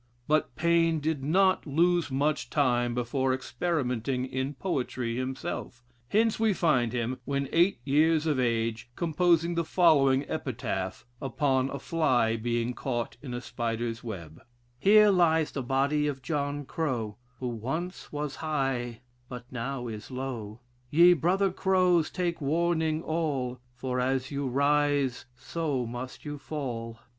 But Paine did not lose much time before experimenting in poetry himself. Hence we find him, when eight years of age, composing the following epitaph, upon a fly being caught in a spider's web: "Here lies the body of John Crow, Who once was high, but now is low; Ye brother Crows take warning all, For as you rise, so you must fall."